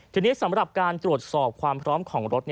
ทีนี้สำหรับการตรวจสอบความพร้อมของรถ